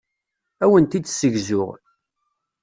Ad awen-t-id-ssegzuɣ.